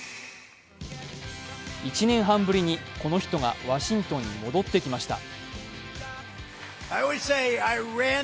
１年半ぶりにこの人がワシントンに戻ってきました。